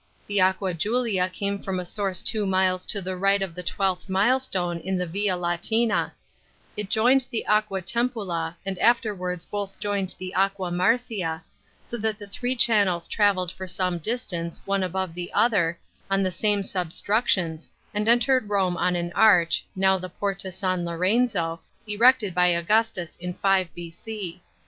The Aqua Julia came from a source two miles to the right of the twelfth milestone on the Via Latina ; it joined the Aqua Tepula, and afterwards both joined the Aqua Marcia, so that the three channels travelled for some distance, one above the other, on the same substructions, and entered Rome on an arch (now the Porta San Lorenzo), erected by Augustus in 5 B.C.